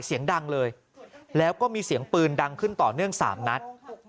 เสียงดังเลยแล้วก็มีเสียงปืนดังขึ้นต่อเนื่อง๓นัด